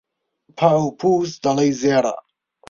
پاو و پووز، دەڵێی زێڕە